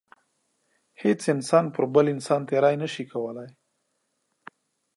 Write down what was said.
هیڅ انسان پر بل تېرۍ نشي کولای.